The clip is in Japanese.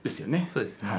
そうですね